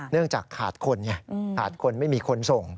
เนื่องจากขาดคนไงขาดคนไม่มีคนส่ง